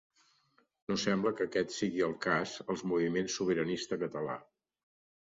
No sembla que aquest sigui el cas els moviments sobiranista català.